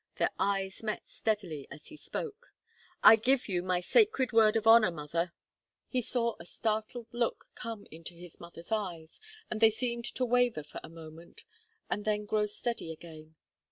Their eyes met steadily, as he spoke. "I give you my sacred word of honour, mother." He saw a startled look come into his mother's eyes, and they seemed to waver for a moment and then grow steady again.